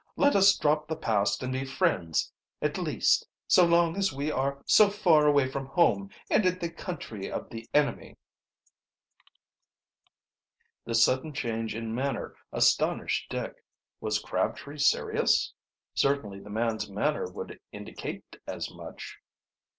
"Let us drop the past and be friends at least, so long as we are so far away from home and in the country of the enemy." This sudden change in manner astonished Dick. Was Crabtree serious? Certainly the man's manner would indicate as much.